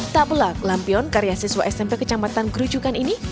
tak pelak lampion karya siswa smp kecamatan gerujukan ini